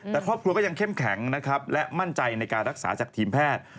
แต่ครอบครัวก็ยังเข้มแข็งนะครับและมั่นใจในการรักษาจากทีมแพทย์